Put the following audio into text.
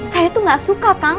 saya itu gak suka kang